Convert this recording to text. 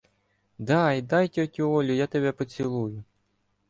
— Дай, дай, тьотю Олю, я тебе поцілую!